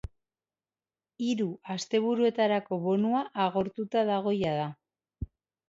Hiru asteburuetarako bonua agortuta dago jada.